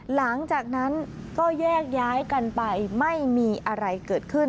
หลังจากนั้นก็แยกย้ายกันไปไม่มีอะไรเกิดขึ้น